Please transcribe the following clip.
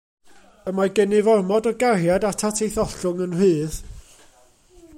Y mae gennyf ormod o gariad atat i'th ollwng yn rhydd.